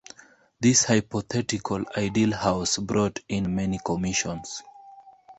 This hypothetical 'ideal house' brought in many commissions.